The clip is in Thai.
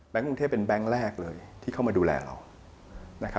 กรุงเทพเป็นแบงค์แรกเลยที่เข้ามาดูแลเรา